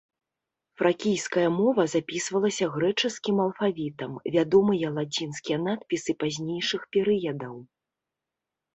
Фракійская мова запісвалася грэчаскім алфавітам, вядомыя лацінскія надпісы пазнейшых перыядаў.